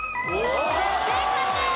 正解です。